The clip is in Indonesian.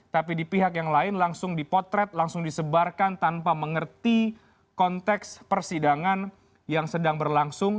tapi di pihak yang lain langsung dipotret langsung disebarkan tanpa mengerti konteks persidangan yang sedang berlangsung